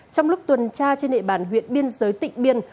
trong lúc tuần tra trên địa bàn huyện biên giới tỉnh biên